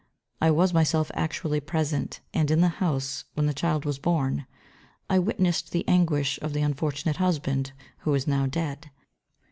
I was myself actually present, and in the house, when the child was born. I witnessed the anguish of the unfortunate husband, who is now dead.